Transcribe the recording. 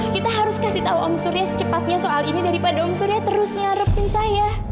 kita harus kasih tahu om surya secepatnya soal ini daripada unsurnya terus ngarepin saya